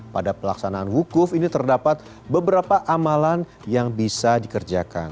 pada pelaksanaan wukuf ini terdapat beberapa amalan yang bisa dikerjakan